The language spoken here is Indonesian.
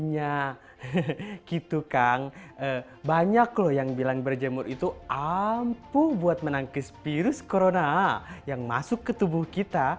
gitu kang banyak loh yang bilang berjemur itu ampuh buat menangkis virus corona yang masuk ke tubuh kita